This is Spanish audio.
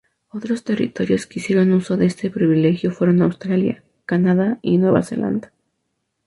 Otros territorios que hicieron uso de este privilegio fueron Australia, Canadá y Nueva Zelanda.